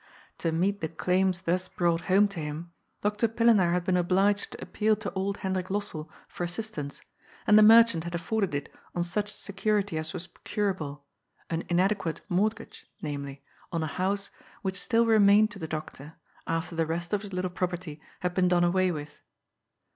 To meet the claims thus brought home to him, Dr. Pille naar had been obliged to appeal to old Hendrik Lossell for assistance, and the merchant had afforded it on such security as was procurable, an inadequate mortgage, namely, on a house, which still remained to the doctor, after the rest of his little property had been done away with.